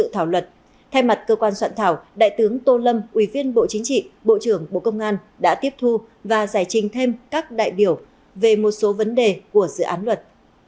tô lâm ủy viên bộ chính trị bộ trưởng bộ công an đã tiếp thu và giải trình thêm các đại biểu về một số vấn đề của dự án luật